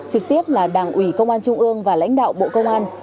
trực tiếp là đảng ủy công an trung ương và lãnh đạo bộ công an